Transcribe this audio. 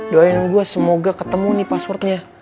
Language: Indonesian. doain gue semoga ketemu nih passwordnya